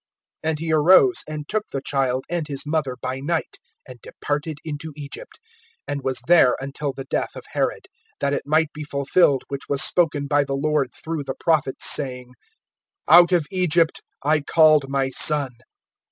(14)And he arose and took the child and his mother by night and departed into Egypt, (15)and was there until the death of Herod; that it might be fulfilled which was spoken by the Lord through the prophet, saying: Out of Egypt I called my son.